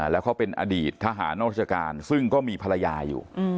แล้วเขาเป็นอดีตทหารนอกราชการซึ่งก็มีภรรยาอยู่